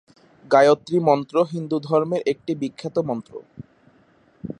গায়ত্রী মন্ত্র হিন্দুধর্মের একটি বিখ্যাত মন্ত্র।